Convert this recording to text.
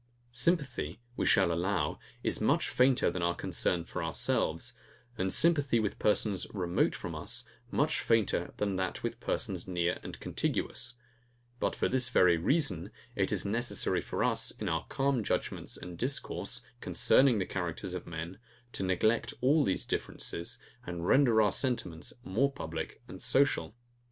Sympathy, we shall allow, is much fainter than our concern for ourselves, and sympathy with persons remote from us much fainter than that with persons near and contiguous; but for this very reason it is necessary for us, in our calm judgements and discourse concerning the characters of men, to neglect all these differences, and render our sentiments more public and social.